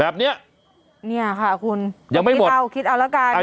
แบบเนี้ยเนี้ยค่ะคุณยังไม่หมดคิดเอาคิดเอาแล้วกันอ่ะ